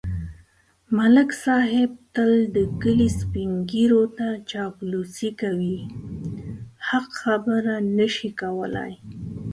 ملک صاحب تل د کلي سپېنږیروته چاپلوسي کوي. حق خبره نشي کولای.